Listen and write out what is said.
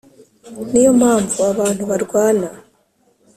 Ni yo mpamvu abantu barwana